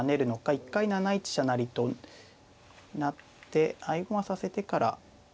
一回７一飛車成と成って合駒させてから。